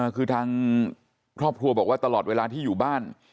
คือทางครอบครัวบอกว่าตลอดเวลาที่อยู่บ้าน